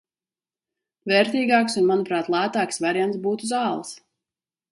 Vērtīgāks un manuprāt lētāks variants būtu zāles.